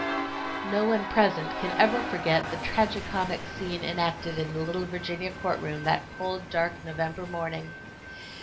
No one present can ever forget the tragi comic scene enacted in the little Virginia court room that cold, dark November morning.